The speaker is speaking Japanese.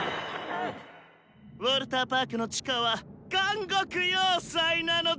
ウォルターパークの地下は監獄要塞なのだ！